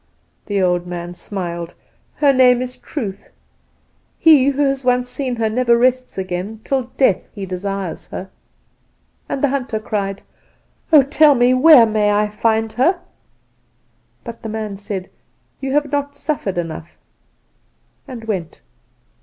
"The old man smiled. "'Her name is Truth. He who has once seen her never rests again. Till death he desires her.' "And the hunter cried: "'Oh, tell me where I may find her.' "But the old man said: "'You have not suffered enough,' and went.